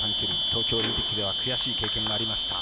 東京オリンピックでは悔しい経験がありました。